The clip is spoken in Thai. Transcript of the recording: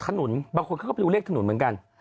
ขนุนบางคนเขาก็ไปดูเลขถนนเหมือนกัน